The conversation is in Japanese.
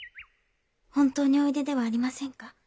本当においでではありませんか？